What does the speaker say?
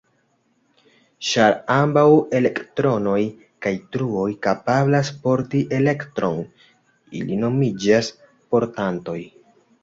Ĉar ambaŭ elektronoj kaj truoj kapablas porti elektron, ili nomiĝas "portantoj".